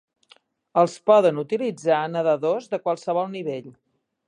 Els poden utilitzar nedadors de qualsevol nivell.